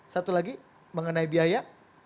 satu lagi mengenai biaya